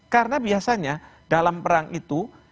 karena biasanya dalam perang itu